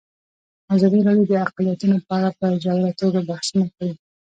ازادي راډیو د اقلیتونه په اړه په ژوره توګه بحثونه کړي.